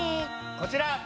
こちら！